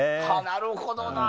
なるほどな。